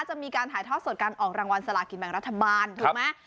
จะมีการถ่ายทอดสดการออกรางวัลสลากินแบ่งรัฐบาลถูกไหม